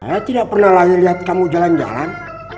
saya tidak pernah lagi lihat kamu jalan jalan